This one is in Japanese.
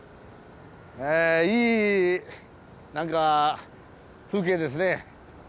いい何か風景ですね。